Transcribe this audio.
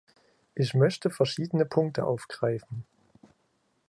Ich möchte verschiedene Punkte aufgreifen.